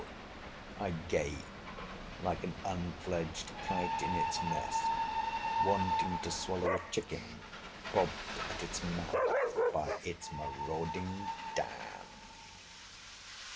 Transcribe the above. —I gape like an unfledged kite in its nest, wanting to swallow a chicken, bobbed at its mouth by its marauding dam!